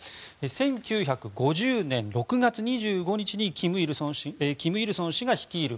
１９５０年６月２５日に金日成氏が率いる